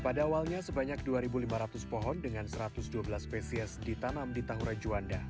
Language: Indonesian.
pada awalnya sebanyak dua lima ratus pohon dengan satu ratus dua belas spesies ditanam di tahura juanda